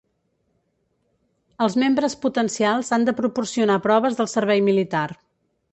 Els membres potencials han de proporcionar proves del servei militar.